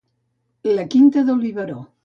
La quinta del biberó.